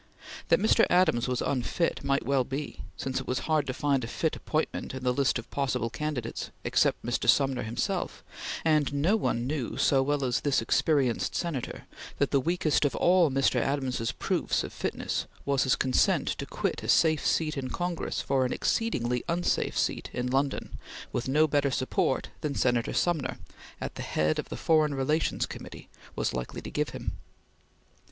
That Mr. Adams was unfit might well be, since it was hard to find a fit appointment in the list of possible candidates, except Mr. Sumner himself; and no one knew so well as this experienced Senator that the weakest of all Mr. Adams's proofs of fitness was his consent to quit a safe seat in Congress for an exceedingly unsafe seat in London with no better support than Senator Sumner, at the head of the Foreign Relations Committee, was likely to give him.